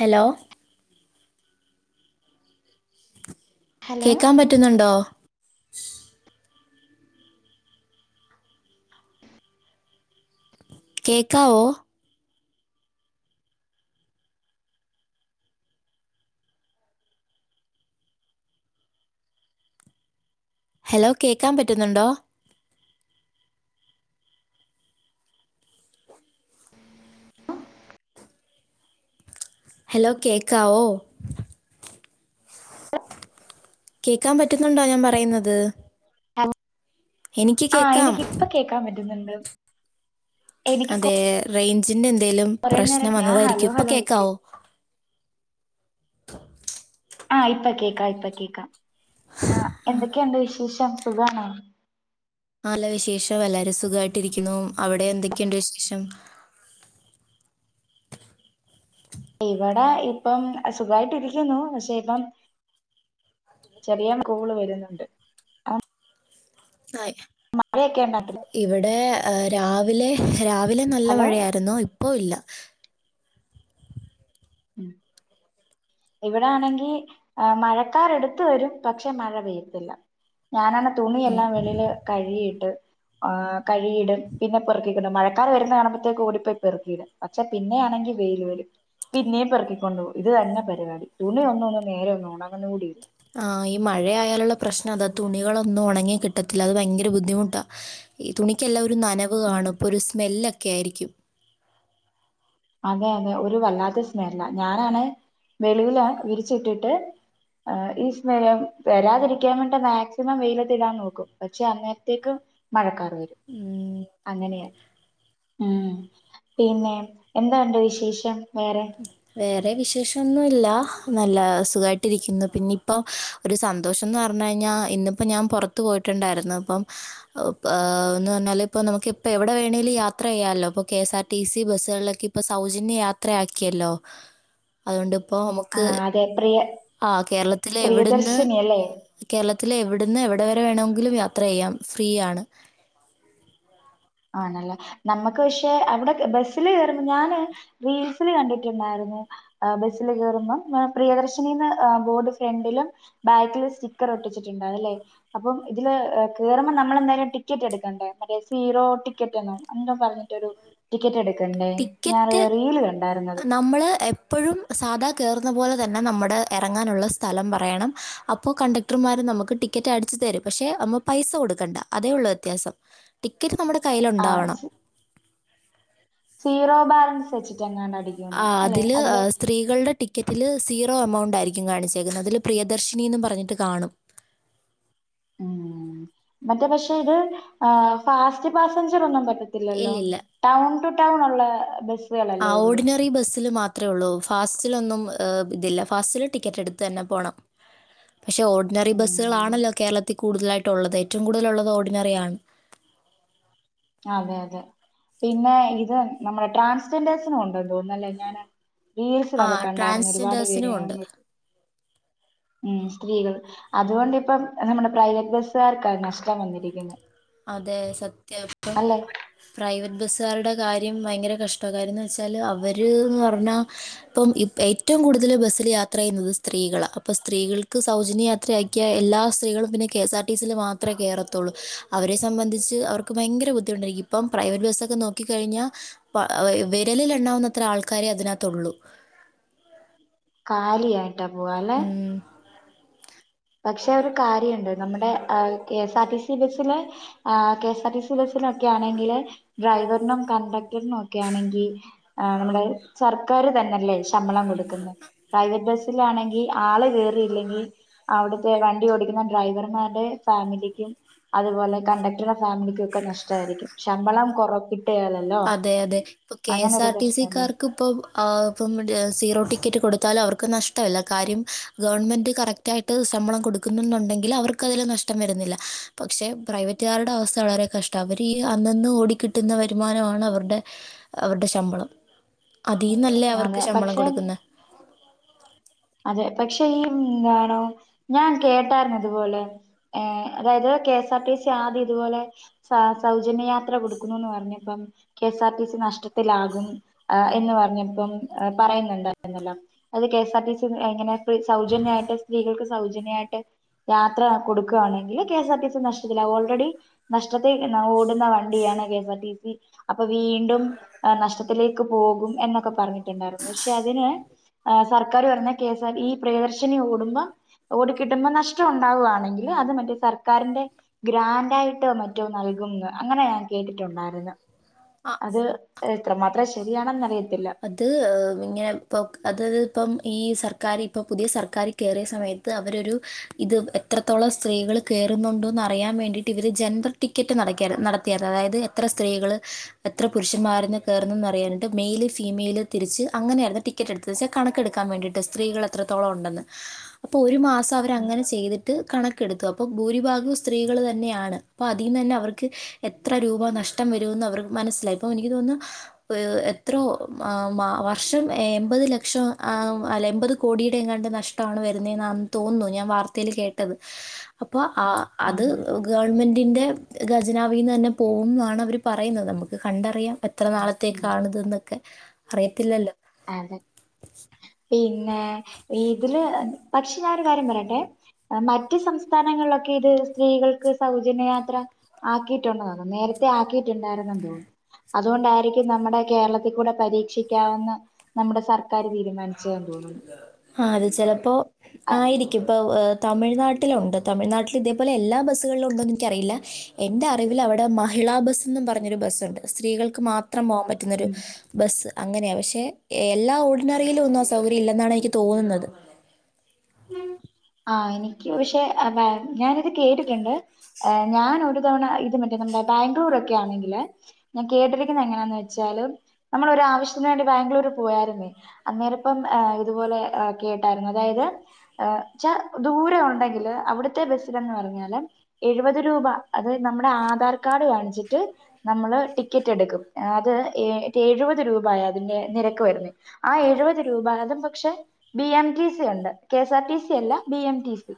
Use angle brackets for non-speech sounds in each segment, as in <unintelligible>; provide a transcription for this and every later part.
Hello hello കേക്കാൻ പറ്റുന്നുണ്ടോ കേക്കാവോ ഹലോ കേക്കാൻ പറ്റുന്നുണ്ടോ ഹലോ കേക്കാവോ കേക്കാൻ പറ്റുന്നുണ്ടോ ഞാൻ പറയ്ന്നത് ആഹ് കേൾക്കാം എനിക്കിപ്പ കേക്കാൻ പറ്റുന്നുണ്ട് എനിക്ക് അതെ റേഞ്ചിന്റെ എന്തേലും കൊറേ നേരം പ്രശ്നം ഞാൻ ഹലോ വന്നതായിരിക്കും ഇപ്പ ഹലോ വെക്ക കേക്കാവോ ആഹ് ഇപ്പ കേക്കാം ഇപ്പ കേക്കാം ആഹ് എന്തൊക്കെയുണ്ട് വിശേഷം സുഖാണോ നല്ല വിശേഷം എല്ലാരും സുഖായിട്ടരിക്കുന്നു അവിടെ എന്തൊക്കെയുണ്ട് വിശേഷം ഇവിടെ ഇപ്പം അസുഖായിട്ടരിക്കുന്നു പക്ഷെ ഇപ്പം ചെറിയ കോള് വെരുന്നുണ്ട് ആയി മഴേക്ക ഇണ്ടാ നാട്ടില് ഇവിടെ രാവിലെ രാവിലെ നല്ല ഹലോ മഴയായിരുന്നു ഇപ്പോ ഇല്ല ഉം ഇവിടാണെങ്കി മഴക്കാറടുത്ത് വെരും പക്ഷെ മഴ പെയ്യത്തില്ല ഞാനാണെ തുണിയെല്ലാം വെളീല് കഴുകിയിട്ട് ആഹ് കഴുകിയിടും പിന്നെ പിർ മഴക്കാർ വെരുന്ന കാണുംമ്പത്തേക്ക് ഓടിപ്പോയി പെറുക്കിടും പക്ഷെ പിന്നെയാണെങ്കി വെയില് വെരും പിന്നേം പെർക്കി കൊണ്ട് പോകും ഇതന്നെ പരിപാടി തുണി ഒന്നും നേരെ ഒന്നും ഉണങ്ങുന്ന കൂടില്ല ആഹ് ഈ മഴയായാലുള്ള പ്രശ്നതാ തുണികളൊന്നും ഒണങ്ങി കിട്ടത്തില്ല അത് ഭയങ്കര ബുദ്ധിമുട്ടാ ഈ തുണിക്കെല്ലാ ഒരു നനവ് ഉം കാണും അപ്പോ ഒരു സ്മെല്ലൊക്കായിരിക്കും അതെ അതെ ഒരു വല്ലാത്ത സ്മെല്ലാ ഞാനാണ് വെളീലാ വിരിച്ചിട്ടിട്ട് ഈ സ്മെല്ല് വരാതിരിക്കാൻ വേണ്ടി മാക്സിമം വെയിലത്തിടാൻ നോക്കും പക്ഷെ അന്നേര്ത്തേക്കും മഴക്കാറ് വെരും അങ്ങനെയാ ഉം പിന്നെ എന്തോണ്ട് വിശേഷം വേറെ വേറെ വിശേഷൊന്നുല്ല നല്ല സുഖായിട്ടിരിക്കുന്നു പിന്നെ ഇപ്പം ഒരു സന്തോഷംന്ന് പറഞ്ഞ് കഴിഞ്ഞാ ഇന്നിപ്പോ ഞാൻ പൊറത്തു പോയിട്ടുണ്ടായിരുന്നു അപ്പം അ ആന്ന് പറഞ്ഞാല് ഇപ്പ നമുക്കിപ്പ എവിടെ വേണേലും യാത്രെയ്യാല്ലോ അപ്പ കെ സാർ ടി സി ബസ്സുകൾലൊക്കെ ഇപ്പോ സൗജന്യ യാത്രയാക്കിയല്ലോ അതുകൊണ്ടിപ്പോ നമുക്ക് ഗ ഫ്രീയാ ആ കേരളത്തില എവിട്ന്ന് കേരളത്തിൽ എവിട്ന്ന് എവിടെ വരെ വേണമെങ്കിലും യാത്ര ചെയ്യാം ഫ്രീയാണ് ആണല്ലെ നമ്മക്ക് പക്ഷെ അവിടെ ബ ബസില് കേറ <unintelligible> ഞാന് റീൽസില് കണ്ടിട്ടുണ്ടായിരുന്നു ബസിൽ കേറുമ്പം പ്രിയദർശിനി ന്ന് ബോർഡ് ഫ്രണ്ടിലും ബാക്കില് സ്റ്റിക്കർ ഒട്ടിച്ചിട്ടുണ്ട് അല്ലേ അപ്പം ഇതില് ക കേറുമ്പൊ നമ്മളെന്തായാലും ടിക്കറ്റ് എടുക്കണ്ടേ മറ്റേ സീറോ ടിക്കറ്റന്നോ എന്തോ പറഞ്ഞിട്ടരു ടിക്കറ്റ് എടുക്കണ്ടേ ഞാന റീൽ കണ്ടായിരുന്നത് നമ്മള് എ പ്പഴും സാധാ കേറുന്ന പോലെ തന്നെ നമ്മുടെ എറങ്ങാനുള്ള സ്ഥലം പറയണം അപ്പൊ കണ്ടക് ടർമാര് നമുക്ക് ടിക്കറ്റ് അടിച്ചു തരും പക്ഷെ നമ്മ പൈസ കൊടുക്കണ്ട അതേ ഉള്ളു വ്യത്യാസം ടിക്കറ്റ് നമ്മുടെ ആ കയ്യിലുണ്ടാവണം സീറോ ബാലൻസ് വെച്ചിട്ട് എങ്ങാൻ അടി ആഹ് അതില് സ്ത്രീ കളുടെ ടിക്കറ്റിൽ സീറോ എമൗണ്ടായിരിക്കും കാണിച്ചേക്കുന്നത് അതില് പ്രിയദർശിനി ന്നും പറഞ്ഞിട്ട് കാണും ഉം മറ്റേ പക്ഷെ ഇത് ഫാസ്റ്റ് പാസഞ്ചർ ഒന്നും പറ്റത്തി ല്ലല്ലോ ഇല്ലില്ല ടൗൺ ടു ടൗൺ ഉള്ള ബസി ആ ഓർഡിനറി ബസ്സില് മാ ത്രേ ഉള്ളൂ ഫാസ്റ്റിലൊന്നും ഏഹ് ഇതില്ല ഫാസ്റ്റില് ടിക്കറ്റ് എടുത്ത് തന്നെ പോണം പക്ഷേ ഓർഡിനറി ഉം ബസ്സുകളാണല്ലോ കേരളത്തിൽ കൂടുതലായിട്ടും ഉള്ളത് ഏറ്റവും കൂടുതലുള്ളത് ഓർഡിനറിയാണ് അതെ അതെ പിന്നെ ഇത് നമ്മുടെ ട്രാൻസ്ജെൻഡേഴ്സിന് ഉണ്ട് തോന്നുന്നല്ലേ ഞാൻ ആ റീൽസിലൊക്കെ കണ്ടായിരുന്നു ഒരുപാട് പേര് ട്രാൻസ്ജെൻഡേഴ്സിനും <inaudible> ഉണ്ട് ഉം സ്ത്രീകൾ അതുകൊണ്ട് ഇപ്പം നമ്മുടെ പ്രൈവറ്റ് ബസ്സാർക്കാണ് നഷ്ടം വന്നിരിക്കുന്നത് അതെ സത്യ ഇപ്പം അല്ലെ പ്രൈവറ്റ് ബസ്സുകാരുടെ കാര്യം ഭയങ്കര കഷ്ടക്കാരന്ന് വെച്ചാല് അവര്ന്ന് പർഞ്ഞാ ഇപ്പം ഇ ഏറ്റവും കൂടുതൽ ബസ്സിൽ യാത്ര ചെയ്യുന്നത് സ്ത്രീകളാണ് അപ്പൊ സ്ത്രീകൾക്ക് സൗജന്യ യാത്രയാ ക്ക്യ എല്ലാ സ്ത്രീകളും പിന്നെ കെ എസ് ആർ ടി സിയിൽ മാത്രേ കേറത്തുള്ളൂ അവരെ സംബന്ധിച്ച് അവർക്ക് ഭയങ്കര ബുദ്ധിമുട്ടായിരിക്കും ഇപ്പം പ്രൈവറ്റ് ബസ്സൊക്കെ നോക്കിക്കഴിഞ്ഞാ പ്പ വി വിരലിൽ എണ്ണാവുന്നത്ര ആൾക്കാരെ അതിനകത്ത് ഒള്ളു കാലിയായിട്ടാ പോവാ ല്ലെ ഉം. പക്ഷെ ഒരു കാര്യമുണ്ട് നമ്മുടെ കെ എസ് ആർടി സി ബസില് ആഹ് K S R T C ബസില് ഒക്കെ ആണെങ്കില് ഡ്രൈവറിനും കണ്ടക്ടറിനും ഒക്കെ ആണെങ്കി ആ നമ്മുടെ സർക്കാർ തന്നല്ലേ ശമ്പളം കൊടുക്കുന്നത് പ്രൈവറ്റ് ബസ്സിലാണെങ്കി ആള് കേറിയില്ലെങ്കി അവിട്ത്തെ വണ്ടി ഓടിക്കുന്ന ഡ്രൈവർമാരുടെ ഫാമിലിക്കും അതുപോലെ കണ്ടക് ടറെ ഫാമിലിക്കൊക്കെ നഷ്ടമായിരിക്കും ശമ്പളം കൊറ <unintelligible> അതെ അതെ ഇപ്പൊ കെ അങ്ങനെ എസ് ആർ ഒരു ടി സി പ്രശ്നല്ലേ കാർ ക്ക് ഇപ്പൊ <unintelligible> സീറോ ടിക്കറ്റ് കൊടുത്താലും അവർക്ക് നഷ്ടല്ല കാര്യം ഗവൺമെൻറ് കറക്റ്റ് റ്റായിട്ട് ശമ്പളം കൊടുക്കുന്നുന്നുണ്ടെങ്കിൽ അവർക്ക് അതിൽ നഷ്ടം വരുന്നില്ല പക്ഷേ പ്രൈവറ്റ് റ്റ്കാരുടെ അവസ്ഥ വളരെ കഷ്ടം അവർ ഈ അന്നന്ന് ഓടിക്കിട്ടുന്ന വരു മാനമാണ് അവരുടെ അവരുടെ ശമ്പളം അതിന്നല്ലേ അവർക്ക് അതെ ശമ്പളം പക്ഷെ കൊടുക്കുന്ന അതെ പക്ഷെ ഈ ന്നാണോ ഞാൻ കേട്ടാരുന്നു അതുപോലെ ഏഹ് അതായത് കെഎസ് ആർ ടി സി ആദ്യം ഇതുപോലെ സ സൗജന്യയാത്ര കൊടുക്കുന്നുന്ന് പർഞ്ഞപ്പം K S R T C നഷ്ടത്തിലാകും എന്ന് പറഞ്ഞപ്പം പറയുന്നുണ്ടായിരുന്നല്ലോ അത് കെഎസ് ആർ ടി സി എങ്ങനെ സൗജന്യമായിട്ട് സ്ത്രീകൾക്ക് സൗജന്യമായിട്ട് യാത്ര കൊടുക്കുകയാണെങ്കില് കെഎസ് ആർ ടി സി നഷ്ടത്തില്ല ഓൾറെഡി നഷ്ടത്തെ ഓടുന്ന വണ്ടിയാണ് K S R T C അപ്പൊ വീണ്ടും നഷ്ടത്തിലേക്ക് പോകും എന്നൊക്കെ പറഞ്ഞിട്ട ണ്ടായി പക്ഷെ അതിന് സർക്കാർ പറഞ്ഞ കേസർ ഈ പ്രിയദർശിനി ഓടുമ്പോ ഓടിക്കിട്ടുമ്പോൾ നഷ്ടം ഉണ്ടാവുകയാണെങ്കിൽ അത് മറ്റേ സർക്കാരിന്റെ ഗ്രാൻഡ ആയിട്ടോ മറ്റോ നൽകും അങ്ങനെ ഞാൻ കേട്ടിട്ടുണ്ടായിരുന്നു അത് എത്ര മാത്രം ശരിയാണെന്ന അറിയത്തില്ല അത് ഇങ്ങനെ ഇപ്പോ അത് ഇപ്പം ഈ സർക്കാരി ഇപ്പ പുതിയ സർക്കാരി കയറിയ സമയത്ത് അവരരു ഇത് എത്രത്തോളം സ്ത്രീകൾ കയറുന്നുണ്ടോ എന്ന അറിയാൻ വേണ്ടിയിട്ട് ഇവർ ജൻറൽ ടിക്കറ്റ് നട നടത്തിയ അതായത് എത്ര സ്ത്രീകള് എത്ര പുരുഷന്മാര് കയറുന്നന്ന് അറിയാനിട്ട് മൈൽ ഫി മെയിൽ തിരിച്ച് അങ്ങനെയായിരുന്നു ടിക്കറ്റ് എടുത്ത് വച്ചാ കണക്കെടുക്കാൻ വേണ്ടിട്ട് സ്ത്രീകൾ എത്രത്തോളം ഉണ്ടെന്ന് അപ്പൊ ഒരു മാസം അവര അങ്ങനെ ചെയ്തിട്ട് ട്ട് കണക്കെടുത്തു അപ്പൊ ഭൂരിഭാഗം സ്ത്രീകൾ തന്നെയാണ് അപ്പൊ അതിന്ന് തന്നെ അവർക്ക് എത്ര രൂപ നഷ്ടം വരൂന്ന് അവർക്ക് മനസ്സിലായി ഇപ്പൊ എനിക്ക് തോന്നുന്നു എത്രോ വർഷം എൺപത് ലക്ഷം അല്ല എൺപത് കോടിയുടെ എങ്ങാണ്ട് നഷ്ടമാണ് വരുന്നന്നെന്നാന്ന് തോന്നു ഞാൻ വാർത്തെൽ കേട്ടത് അപ്പൊ അ അത് അതെ ഗവൺമെന്റിൻ്റെ ഖജനാവീന്നെന്നെ പോകുംന്നാണ് അവർ പറയുന്നത് നമുക്ക് കണ്ടറിയാൻ പ എത്ര നാളത്തേക്കാണത് ന്നൊക്കെ അറിയത്തില്ലല്ലോ അതെ പിന്നെ ഇതില് പക്ഷെ ഞാനൊരു കാര്യം പറയട്ടെ മറ്റ് സംസ്ഥാനങ്ങളിലൊക്കെ ഇത് സ്ത്രീകൾക്ക് സൗജന്യയാത്ര ആക്കിയിട്ടുണ്ടോ നേരത്തെ ആക്കിയിട്ടുണ്ടായിരുന്നന്ന് തോന്ന് അതുകൊണ്ടായിരിക്കും നമ്മുടെ കേരളത്തിൽ കൂടെ പരീക്ഷിക്കാവെന്ന് നമ്മുടെ സർക്കാർ തീരുമാനിച്ചു ആഹ് അത് ചെലപ്പോ ആഹ് ആയിരിക്കും ക്കിപ്പോ തമിഴ്നാട്ടിലുണ്ട് തമിഴ് നാട്ടിൽ ഇതെപോലെ എല്ലാ ബസ്സുകളിലുണ്ടൊന്ന് എനിക്കറിയില്ല എന്റെ അറിവിൽ അവിടെ മഹിളാ ബസ്ന്ന് പറഞ്ഞൊരു ബസ്സുണ്ട് സ്ത്രീകൾക്ക് മാത്രം പോകാൻ പറ്റും റ്റ്ന്നൊരു ഉം ബസ്സ് അങ്ങനെയ പക്ഷെ എല്ലാ ഓർഡിനറിയിലും ഒന്ന സൗകര്യല്ലെന്നാണ് എനിക്ക് തോന്നുന്നത് ആഹ് എനിക്ക് പക്ഷെ അതാ ഞാനിത് കേട്ടിട്ടുണ്ട് ആഹ് ഞാനൊരു തവണ ഇത് മറ്റേ നമ്മുടെ ബാംഗ്ലൂരൊക്കെ ആണെങ്കില് ഞാൻ കേട്ടിരിക്കുന്നത് എങ്ങനാന്ന് വെച്ചാല് നമ്മളൊരാവശ്യത്തിന് വേണ്ടി ബാംഗ്ലൂര് പോയരുന്നേ അന്നേരപ്പം ആ ഇതുപോലെ കേട്ടായിരുന്നു അതായത് ആ ച്ചാ ദൂരെ ഉണ്ടെങ്കില് അവിടത്തെ ബസ്സിലന്ന് പറഞ്ഞാല് എഴുപത് രൂപ അതായത് നമ്മടെ ആധാർ കാർഡ് കാണിച്ചിട്ട് നമ്മള് ടിക്കറ്റ് എടുക്കും അത് ഏ എഴുപത് രൂപയതിന്റെ നിരക്ക് വരുന്നെ ആഹ് എഴുപത് രൂപ അതുംപക്ഷെ ബി എം ടി സി ഉണ്ട് കെഎസ്ആർ ടി സി അല്ല ബി എം ടി സി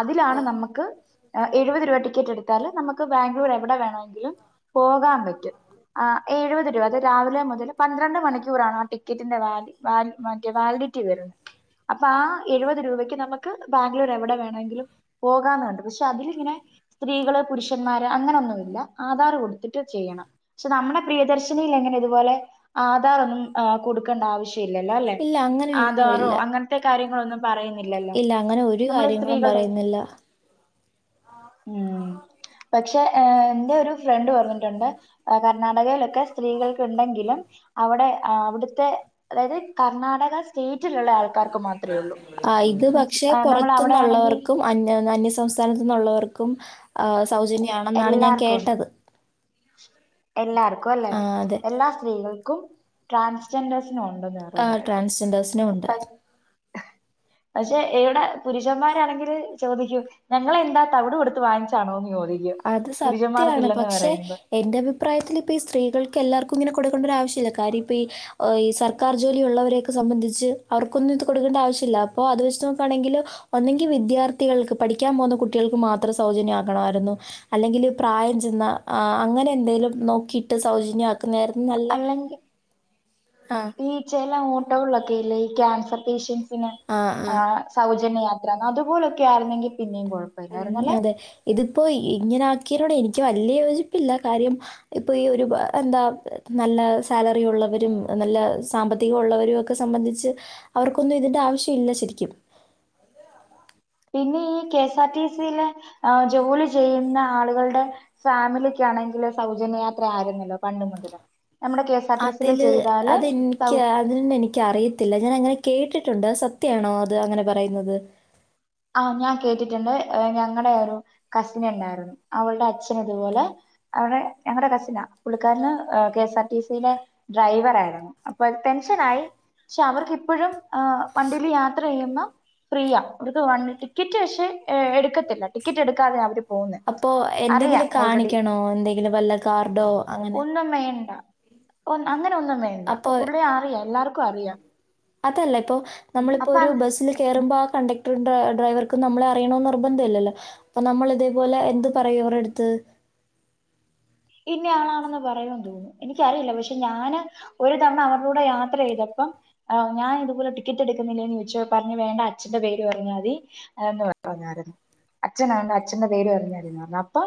അതിലാണ് നമ്മക്ക് എഴുപത് രൂപ ടിക്കറ്റ് എടുത്താല് നമുക്ക് ബാംഗ്ലൂർ എവിടെ വേണെങ്കിലും പോകാൻ പറ്റും ആഹ് എഴുപത് രൂപ അത് രാവിലെ മുതൽ പന്ത്രണ്ട് മണിക്കൂറാണ് ആ ടിക്കറ്റിന്റെ വാലിഡിറ്റി വാൽ മറ്റേ വാലിഡിറ്റി വരുന്നത് അപ്പൊ ആഹ് എഴുപത് രൂപയ്ക്ക് നമ്മ ക്ക് ബാംഗ്ലൂർ എവിടെ വേണെങ്കിലും പോകാന്നുണ്ട് പക്ഷെ അതിലിങ്ങനെ സ്ത്രീകള് പുരുഷന്മാര് അങ്ങനൊന്നുല്ല ആധാർ കൊടുത്തിട്ട് ചെയ്യണം പക്ഷ നമ്മടെ പ്രിയദർശനിൽ ങ്ങനെ ഇതുപോലെ ആധാർ ഒന്നും കൊടുക്കേണ്ട ആവശ്യ ല്ലല്ലോ അല്ലെ ഇല്ല അങ്ങനെയൊന്നുമില്ല ആധാറോ ഇല്ല അങ്ങൻത്തെ കാര്യങ്ങളൊന്നും പറയുന്നില്ലല്ലോ ഇല്ല അങ്ങനെ ഒരു നമ്മള് കാര്യങ്ങളും സ്ത്രീകളുടെ പറയുന്നില്ല ഉം പക്ഷെ എ എന്റെ ഒരു ഫ്രണ്ട് പറഞ്ഞിട്ടുണ്ട് കർണാടകയിലൊക്കെ സ്ത്രീകൾക്ക് ണ്ടെങ്കിലും അവിടെ അവിടുത്തെ അതായത് കർണാടക സ്റ്റേറ്റിലുള്ള ആൾക്കാർക്ക് മാത്രേ ഉള്ളൂ ആ മിൻസ് നമ്മൾ അവിടെയാണെങ്കി അന്നാ അന്യസംസ്ഥാനത്ത്ന്നുള്ളവർക്കും അ സൗജന്യമാണെന്നാണ് ഞാൻ കേട്ടത് എല്ലാർക്കു അല്ലേ ആ അതെ എല്ലാ സ്ത്രീകൾക്കും ട്രാൻസ്ജെൻഡേഴ്സിനു ഉണ്ടെന്ന ആ ട്രാസ്ജെൻഡേഴ്സിനു ഉണ്ട് പക്ഷെ ഇവിടെ പുരുഷന്മാരാണെങ്കില് ചോദിക്കും ഞങ്ങളെ എന്താ തവിട് കൊടുത്ത് വാങ്ങിച്ചാണോന്ന് ചോദി അത് സത്യാണ് പക്ഷെ എന്റെ അഭിപ്രായത്തിലിപ്പ ഈ സ്ത്രീകൾക്കെല്ലാർക്കും ഇങ്ങനെ കൊണ്ടരവശ്യല്ല കാര്യപ്പി ഈ സർക്കാർ ജോലി ഉുള്ളവരൊക്ക സംബന്ധിച്ച് അവർക്കൊന്നും ഇത് കൊടുക്കേണ്ട ആവശ്യമില്ല അപ്പോ അത് വെച്ച് നോക്കാണെങ്കിൽ ഒന്നെങ്കി വിദ്യാർത്ഥികൾക്ക് പഠിക്കാൻ പോകുന്ന കുട്ടികൾക്ക് മാത്രം സൗജന്യാക്കണായിരുന്നു അല്ലെങ്കില് പ്രായം ചെന്ന ആ അങ്ങനെ എന്തെങ്കിലും നോക്കിയിട്ട് സൗജന്യ ക്കന്നെ ആര്ന്നു നല്ല അല്ലെങ്കി ആഹ് ഈ ചെല അങ്ങോട്ടകളൊക്കെല്ലേ ഈ ക്യാൻസർ പേഷ്യൻസിനെ? ആഹ് ആ ആഹ്. സൗജന്യയാത്രാന്ന് അതുപോലൊക്കെ ആരുന്നെങ്കി പിന്നെയും കൊഴ ഉം അതെ ഇതിപ്പോ ഇ ഇങ്ങനെ ആക്കിയിനോട് എനിക്ക് വല്യ യോജിപ്പില്ല കാര്യം. ഇപ്പൊ ഈ ഒരു പ എന്താ നല്ല സാലറി ഉള്ളവരും നല്ല സാമ്പത്തികം ഉള്ളവരും ഒക്കെ സംബന്ധിച്ച് അവർക്കൊന്നും ഇതിന്റെ ആവശ്യം ഇല്ല ശരിക്കും. പിന്നെ ഈ കെ എസ് ആർ ടി സിയിലെ ആഹ് ജോലി ചെയ്യുന്ന ആളുകളുടെ ഫാമിലിക്ക് ആണെങ്കിൽ സൗജന്യയാത്ര ആരുന്നല്ലോ പണ്ട് മുതല് നമ്മുടെ കേസ അതില് അതെന്ക്ക്. അതിനന്നെ എനിക്കറിയത്തില്ല ഞാനങ്ങനെ കേട്ടിട്ടുണ്ട് അ സത്യാണോ അത് അങ്ങനെ പറയുന്നത്? ആഹ് ഞാൻ കേട്ടിട്ടുണ്ട് ഏഹ് ഞങ്ങളടെ ഒരു കസിന്ണ്ടാരുന്നു അവളുടെ അച്ഛനിതുപോലെ അവിടെ ഞങ്ങടെ കസിനാ പുള്ളിക്കാരന് ഏഹ് കെഎസ് ആർ ടി സിയിലെ ഡ്രൈവർ ആരുന്നു അപ്പൊ പെൻഷനായി. ക്ഷെ അവർക്കിപ്പഴും ഹ് വണ്ടിൽ യാത്ര ചെയ്യുന്ന ഫ്രീ ആ. ഇത് വണ് ടിക്കറ്റ് പക്ഷെ എ എടുക്കത്തില്ല ടിക്കറ്റ് എടുക്കാത അവര് പോകുന്നെ അപ്പോ അറിയാം എന്തെങ്കിലും ഓൾറെഡി കാണിക്കണോ എന്തെങ്കിലും വല്ല കാർഡോ അങ്ങനെ? ഒന്നും വേണ്ട. ഒന്ന്‌ അങ്ങന ഒന്നും വേണ്ട അപ്പോ പുള്ളിയെ അറിയാ എല്ലാർക്കു അറിയാം. അതല്ല ഇപ്പോ നമ്മളിപ്പോരു അപ്പൊ ബസ്സിൽ കേറുമ്പാ കണ്ടക് ടർ ഡ്രൈവർക്കും നമ്മളെ അറിയണോന്ന് നിർബന്ധില്ലല്ലോ അപ്പൊ നമ്മൾ ഇതേപോലെ എന്ത് പറയും അവരെടുത്ത്? ഇന്നെ ആളാണെന്ന് പറയൊന്ന് തോന്നുന്നു എനിക്കറിയില്ല പക്ഷെ ഞാന് ഒരു തവണ അവര്ടൂടെ യാത്രയ്തപ്പം ആ ഞാൻ ഇതുപോലെ ടിക്കറ്റ് എടുക്കുന്നില്ലേന്ന് ചോദിച്ചു പറഞ്ഞു വേണ്ട അച്ഛന്റെ പേര് പറഞ്ഞാ മതി. അന്ന് പറ പറഞ്ഞായിരുന്നു അച്ഛ്നാണ് അച്ഛന്റെ പേര് പറ്ഞാ മതിന്ന്‌ പറ്ഞ്ഞു അപ്പൊ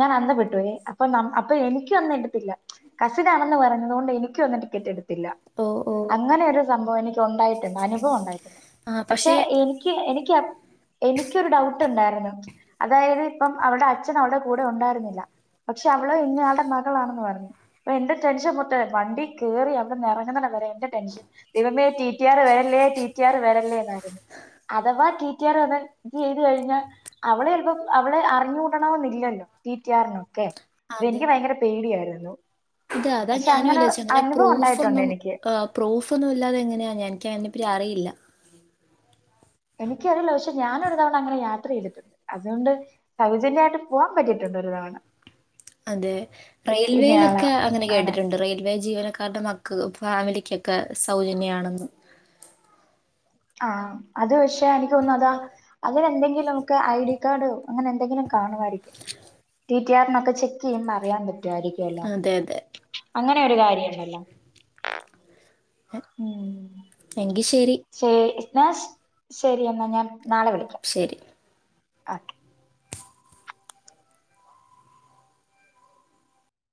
ഞാൻ അന്തപ്പെട്ടു അപ്പൊ നം അപ്പൊ എനിക്കു അന്നെടുത്തില്ല കസിനാണെന്ന് പറഞ്ഞത് കൊണ്ട് എനിക്കു അന്ന് ടിക്കറ്റ് എടുത്തില്ല. ഓഹ്! ഓഹ്! അങ്ങനൊരു സംഭവെനിക്ക് ഉണ്ടായിട്ടുണ്ട് അനുഭവം ഉണ്ടായിട്ടുണ്ട് ആ പക്ഷെ പക്ഷേ എനി ക്ക് എനിക്ക് അപ്പ് എനിക്കൊരു ഡൗട്ട്ണ്ടാരുന്നു അതായത് ഇപ്പം അവടെ അച്ഛൻ അവടെ കൂടെ ഉണ്ടാരുന്നില്ല. പക്ഷെ അവള് ഇന്നയാളുടെ മകളാണെന്ന് പറഞ്ഞു. പ്പൊ എന്റെ ടെൻഷൻ മൊത്തേ വണ്ടി കേറി അവിടെന്നിറങ്ങുന്നിടം വരെ എന്റെ ടെൻഷൻ ദൈവമേ ടി ടി ആർ വരല്ലേ ടി ടി ആർ വരല്ലേന്നായിരുന്നു. അഥവാ ടി ടി ആർ വന്ന് തെയ്ത് കഴിഞ്ഞാ. അവള്ലെപ്പം അവളെ അറിഞ്ഞൂടണമെന്നില്ലല്ലോ ടി ടി ആറിന്. ക്കെ എനിക്ക് ഭയങ്കര പേടിയായിരുന്നു. ഇത അതാ പക്ഷെ ഞാനും ആലോയിച്ചെ അങ്ങനെ അനുഭവം പ്രൂഫ് ഉണ്ടായിട്ടുണ്ട് ഒന്നും എനിക്ക് ഏഹ് പ്രൂഫൊന്നുല്ലാതെ എങ്ങനെയാ ഞന്ക്ക് അയിനെപ്പറ്റി അറിയില്ല. എനിക്കറിയല്ല പക്ഷേ ഞാനൊരു തവണ അങ്ങനെ യാത്രയ്തിട്ടുണ്ട് അതൊണ്ട് സൗജന്യായിട്ട് പൂവാൻ പറ്റിയിട്ടുണ്ട് ഒരു തവണ. അതെ ഇന്നയാള റെയിൽവേയിലൊക്കെ അങ്ങനെ ആണ് കേട്ടിട്ടുണ്ട് റെയിൽവേ ജീവനക്കാരുടെ മക്ക് ക്ക് ഫാമിലിക്കൊക്കെ സൗജന്യാണെന്ന്. ആഹ് അത് പക്ഷെ എനിക്ക് തോന്നു അതാ അങ്ങനെന്തെങ്കിലും. ക്കെ ഐ ഡി കാർഡോ അങ്ങനെ എന്തെങ്കിലും കാണുവായിരിക്കും. ടി ടി ആറ് നൊക്കെ ചെക്കെയ്യുമ്പോ അറിയാൻ പറ്റുവായിരിക്കുവല്ലോ അതെ അതെ. അങ്ങനൊരു കാര്യുണ്ടല്ലോ? ഉം എങ്കി ശരി. ശരി ന്നാശ് ശരി എന്നാ ഞാൻ നാളെ വിളിക്കാം. ശരി. ഓക്കെ.